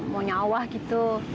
mau nyawah gitu